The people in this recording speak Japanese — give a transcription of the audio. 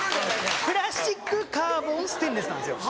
プラスチックカーボンステンレスなんですよ。